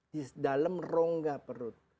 di dalam rongga perut